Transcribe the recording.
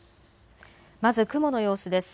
まず雲の様子です。